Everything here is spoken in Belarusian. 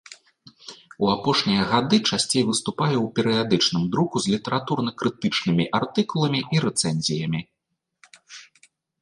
У апошнія гады часцей выступае ў перыядычным друку з літаратурна-крытычнымі артыкуламі і рэцэнзіямі.